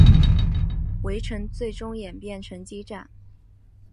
围城最终演变成激战。